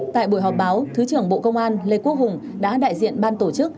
tại buổi họp báo thứ trưởng bộ công an lê quốc hùng đã đại diện ban tổ chức